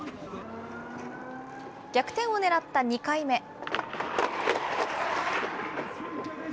逆転を狙った２回目。